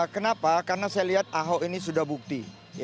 kenapa karena saya lihat ahok ini sudah bukti